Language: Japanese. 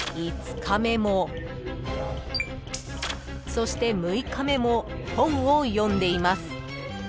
［そして６日目も本を読んでいます］